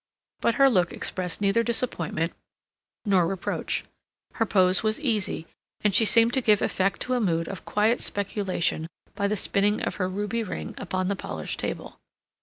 But her look expressed neither disappointment nor reproach. Her pose was easy, and she seemed to give effect to a mood of quiet speculation by the spinning of her ruby ring upon the polished table.